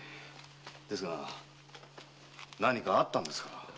ですが何かあったんですか？